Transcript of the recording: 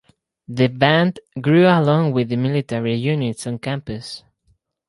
The band grew along with the military units on campus.